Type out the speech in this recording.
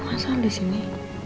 mas al disini